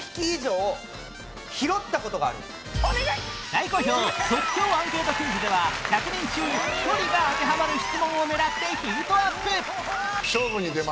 大好評即興アンケートクイズでは１００人中１人が当てはまる質問を狙ってヒートアップ！